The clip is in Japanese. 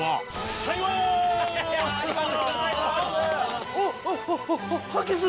ありがとうございます！